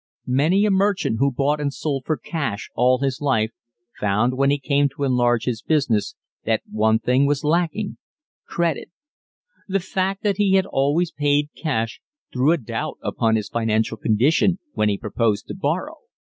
Many a merchant who bought and sold for cash all his life found when he came to enlarge his business that one thing was lacking credit. The fact that he had always paid cash threw a doubt upon his financial condition when he proposed to borrow.